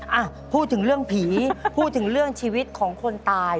อ่ะพูดถึงเรื่องผีพูดถึงเรื่องชีวิตของคนตาย